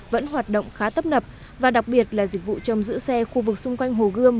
vẫn hoạt động khá tấp nập và đặc biệt là dịch vụ chôm giữ xe khu vực xung quanh hồ gươm